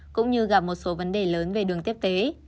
cũng như gặp một số vấn đề lớn về đường tiếp tế